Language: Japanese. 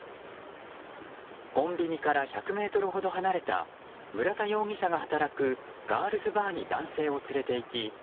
コンビニから１００ｍほど離れた村田容疑者が働くガールズバーに男性を連れていき